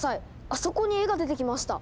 あそこに絵が出てきました！